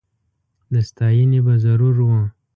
د ستایني به ضرور و